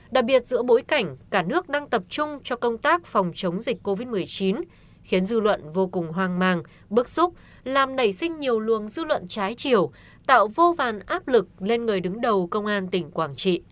đặc biệt giữa bối cảnh cả nước đang tập trung cho công tác phòng chống dịch covid một mươi chín khiến dư luận vô cùng hoang mang bức xúc làm nảy sinh nhiều luồng dư luận trái chiều tạo vô vàn áp lực lên người đứng đầu công an tỉnh quảng trị